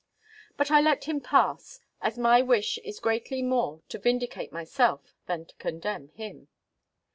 But I let him pass; as my wish is greatly more to vindicate myself, than to condemn him.